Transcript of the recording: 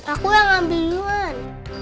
aku yang ambil duluan